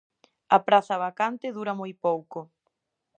A praza vacante dura moi pouco.